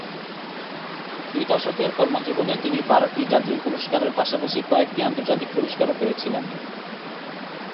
দুই দশকের কর্মজীবনে তিনি বারোটি জাতীয় পুরস্কারের পাশাপাশি কয়েকটি আন্তর্জাতিক পুরস্কারও পেয়েছিলেন।